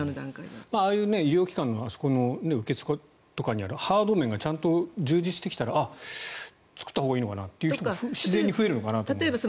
ああいう医療機関の受付とかにあるハード面が充実してきたらああ、作ったほうがいいのかなと自然に増えるのかなと思います。